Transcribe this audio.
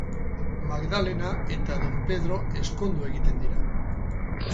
Magdalena eta Don Pedro ezkondu egiten dira.